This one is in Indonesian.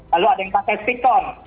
lalu ada yang pakai sikon